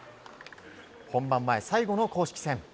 本番前最後の公式戦。